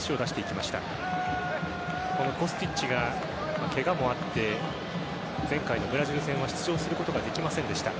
コスティッチは、けがもあって前回のブラジル戦は出場することができませんでした。